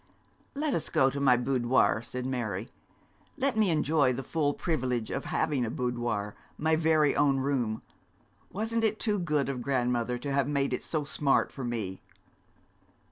'Let us go to my boudoir,' said Mary. 'Let me enjoy the full privilege of having a boudoir my very own room. Wasn't it too good of grandmother to have it made so smart for me?'